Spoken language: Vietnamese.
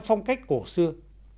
phong cách cổ xưa